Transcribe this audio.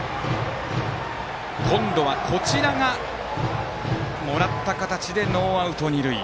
今度はこちらがもらった形でノーアウト二塁。